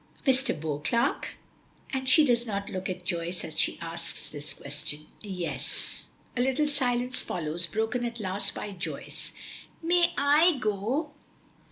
"Mr. Beauclerk?" she does not look at Joyce as she asks this question. "Yes." A little silence follows, broken at last by Joyce. "May I go?"